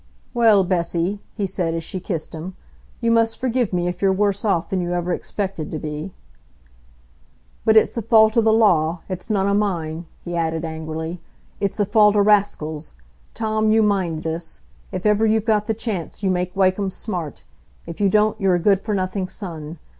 "Well, Bessy," he said, as she kissed him, "you must forgive me if you're worse off than you ever expected to be. But it's the fault o' the law,—it's none o' mine," he added angrily. "It's the fault o' raskills. Tom, you mind this: if ever you've got the chance, you make Wakem smart. If you don't, you're a good for nothing son.